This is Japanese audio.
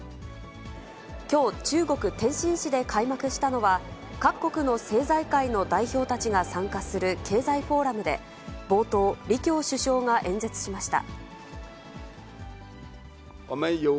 きょう、中国・天津市で開幕したのは、各国の政財界の代表たちが参加する経済フォーラムで、冒頭、李強首相が演説しました。